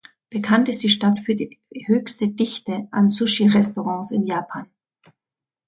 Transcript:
Bekannt ist die Stadt für die höchste Dichte an Sushi-Restaurants in Japan.